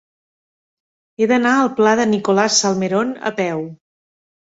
He d'anar al pla de Nicolás Salmerón a peu.